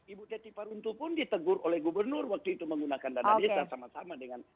ibu teti paruntu pun ditegur oleh gubernur waktu itu menggunakan dana desa sama sama dengan